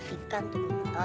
ikan tubuh mutiara